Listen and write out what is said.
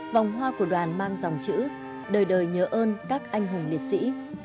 vòng hoa của đoàn mang dòng chữ đời đời nhớ ơn các anh hùng liệt sĩ